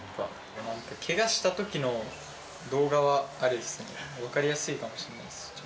けがしたときの動画はありますね、分かりやすいかもしれないです。